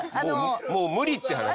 もう無理って話。